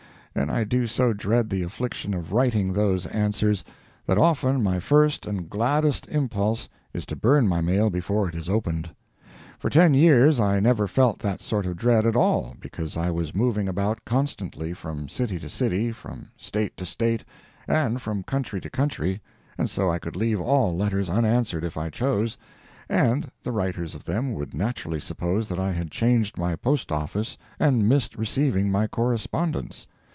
And I do so dread the affliction of writing those answers, that often my first and gladdest impulse is to burn my mail before it is opened. For ten years I never felt that sort of dread at all because I was moving about constantly, from city to city, from State to State, and from country to country, and so I could leave all letters unanswered if I chose, and the writers of them would naturally suppose that I had changed my post office and missed receiving my correspondence.